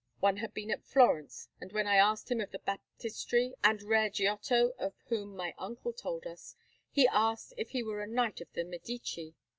One had been at Florence; and when I asked him of the Baptistery and rare Giotto of whom my uncle told us, he asked if he were a knight of the Medici.